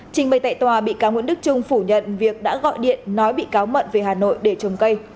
trình bày tại tòa bị cáo nguyễn đức trung phủ nhận việc đã gọi điện nói bị cáo mận về hà nội để trồng cây